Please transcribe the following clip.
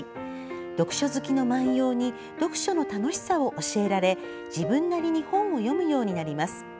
読書好きの万葉に読書の楽しさを教えられ自分なりに本を読むようになります。